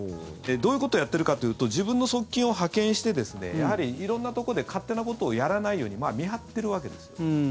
どういうことをやってるかというと自分の側近を派遣して色んなところで勝手なことをやらないように見張ってるわけです。